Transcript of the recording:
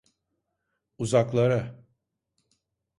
Uzaklara.